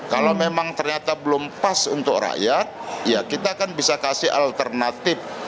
kalau memang ternyata belum pas untuk rakyat ya kita akan bisa kasih alternatif